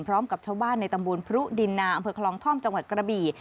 พร้อมกับชาวบ้านในตำบลพรุดินนาอำเภอคลองท่อมจังหวัดกระบี่